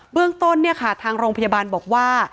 เรื่องต้นเนี่ยค่ะทางโรงพยาบาลบอกว่า